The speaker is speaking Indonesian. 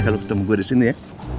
kalau ketemu gue disini ya